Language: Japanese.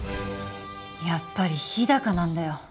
やっぱり日高なんだよ